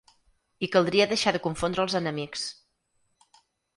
I caldria deixar de confondre els enemics.